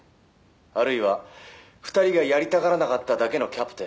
あるいは２人がやりたがらなかっただけのキャプテン」